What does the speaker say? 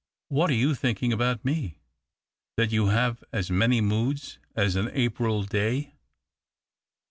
" What are you thinking about me ?"" That you have as many moods as an April day."